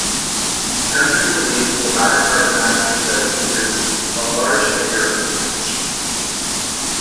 Gundry believes the latter part of Matthew's list is "a large figure of speech".